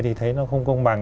thì thấy nó không công bằng